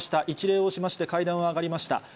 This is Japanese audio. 一礼をしまして、階段を上がりました。